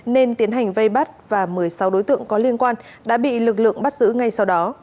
nên tiến hành vây bắt và một mươi sáu đối tượng có liên quan đã bị lực lượng bắt giữ ngay sau đó